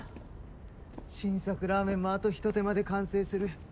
新作ラーメンもあとひと手間で完成する。